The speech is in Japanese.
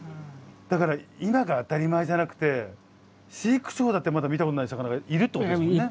だから今が当たり前じゃなくて飼育長だってまだ見たことない魚がいるってことですもんね。